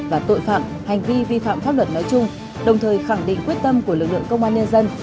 và tội phạm hành vi vi phạm pháp luật nói chung đồng thời khẳng định quyết tâm của lực lượng công an nhân dân